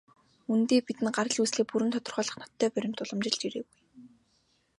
Үнэндээ, бидэнд гарал үүслээ бүрэн тодорхойлох ноттой баримт уламжилж ирээгүй.